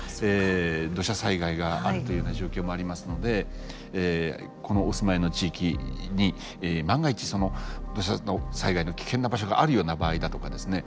土砂災害があるというような状況もありますのでお住まいの地域に万が一その土砂災害の危険な場所があるような場合だとかですね